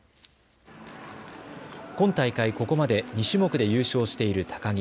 ここまで２種目で優勝している高木。